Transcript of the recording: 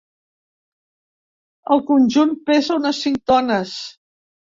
El conjunt pesa unes cinc tones.